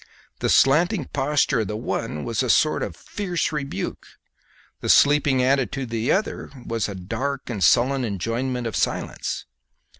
The slanting posture of the one was a sort of fierce rebuke; the sleeping attitude of the other was a dark and sullen enjoinment of silence.